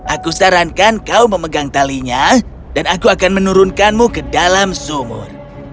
aku sarankan kau memegang talinya dan aku akan menurunkanmu ke dalam sumur